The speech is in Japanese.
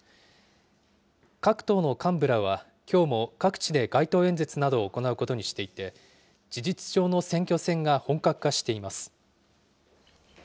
各党の幹部らは、きょうも各地で街頭演説などを行うことにしていて、事実上の選挙戦が本格化しています。